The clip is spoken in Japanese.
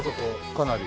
かなり。